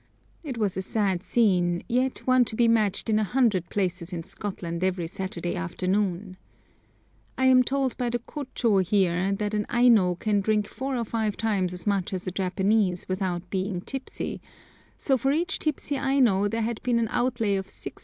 It was a sad scene, yet one to be matched in a hundred places in Scotland every Saturday afternoon. I am told by the Kôchô here that an Aino can drink four or five times as much as a Japanese without being tipsy, so for each tipsy Aino there had been an outlay of 6s.